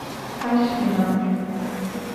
Aş yimat.